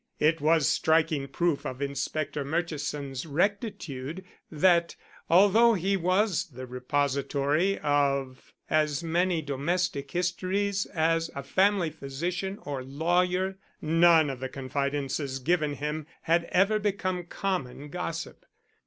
It was striking proof of Inspector Murchison's rectitude that, although he was the repository of as many domestic histories as a family physician or lawyer, none of the confidences given him had ever become common gossip.